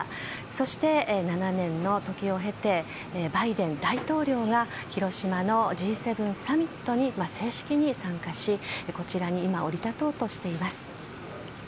そして、７年の時を経てバイデン大統領が広島のＧ７サミットに正式に参加し、こちらに今降り立とうとしています。